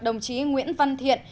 đồng chí nguyễn văn thiện